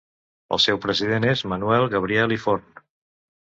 El seu president és Manuel Gabriel i Forn.